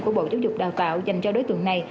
của bộ giáo dục đào tạo dành cho đối tượng này